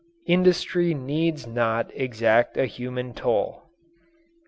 Industry needs not exact a human toll.